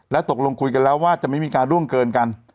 ตกลงคุยกันแล้วว่าจะไม่มีการล่วงเกินกัน